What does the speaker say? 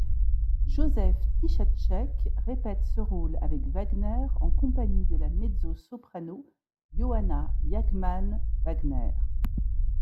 Josef Tichatschek répète ce rôle avec Wagner en compagnie de la mezzo-soprano Johanna Jachmann-Wagner.